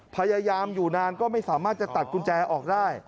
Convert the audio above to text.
พยายามอยู่นานก็ไม่สามารถจะตัดกุญแจออกได้